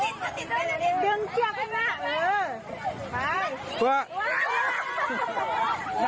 ดึงเชือกไปหน้า